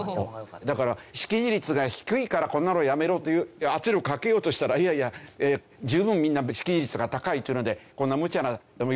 だから識字率が低いからこんなのやめろという圧力をかけようとしたらいやいや十分みんな識字率が高いっていうのでこんなえーっ！頑張ったねみんな。